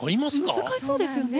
難しそうですよね。